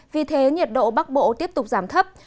vì thế nhiệt độ bắc bộ tiếp tục giảm thấp